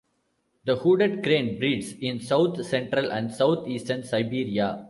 The hooded crane breeds in south-central and south-eastern Siberia.